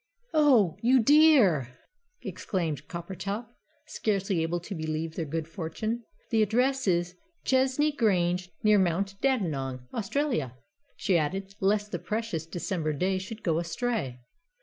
"Oh, you dear!" exclaimed Coppertop, scarcely able to believe their good fortune; "the address is: 'Chesney Grange, near Mount Dandenong, Australia,'" she added, lest the precious December day should go astray.